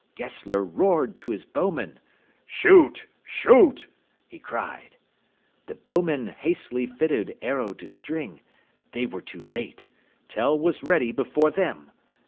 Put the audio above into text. Gessler roared to his bowmen. "Shoot! shoot!" he cried. The bowmen hastily fitted arrow to string. They were too late. Tell was ready before them.